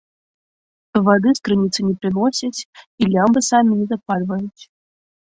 Вады з крыніцы не прыносяць і лямпы самі не запальваюць.